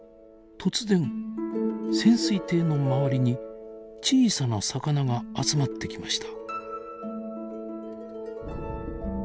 突然潜水艇の周りに小さな魚が集まってきました。